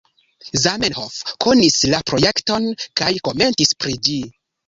Zamenhof konis la projekton kaj komentis pri ĝi.